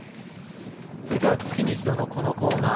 続いては月に１度のこのコーナー